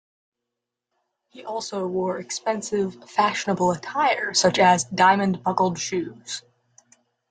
He also wore expensive fashionable attire such as "diamond-buckled shoes".